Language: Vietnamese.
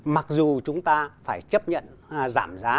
mặc dù chúng ta phải chấp nhận giảm giá